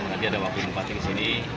nanti ada wakil bupati di sini